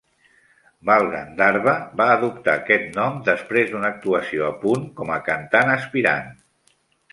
Bal Gandharva va adoptar aquest nom després d'una actuació a Pune com a cantant aspirant.